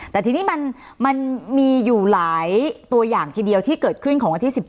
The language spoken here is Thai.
แต่ทีนี้มันมีอยู่หลายตัวอย่างทีเดียวที่เกิดขึ้นของวันที่๑๗